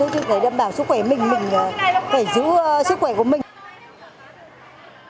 cũng chỉ để đảm bảo sức khỏe mình mình phải giữ sức khỏe của mình